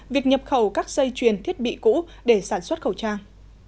việc nhập khẩu các dây chuyền thiết bị cũ để sản xuất khẩu trang